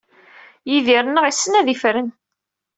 Yidir-nneɣ issen ad ifren.